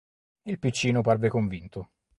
Il piccino parve convinto.